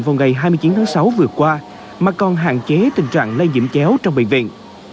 vào ngày hai mươi chín tháng sáu vừa qua mà còn hạn chế tình trạng lây nhiễm chéo trong bệnh viện